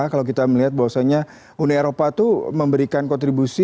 kalau kita melihat bahwasannya uni eropa itu memberikan kontribusi